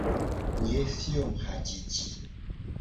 Wo ye fio mu hajiji.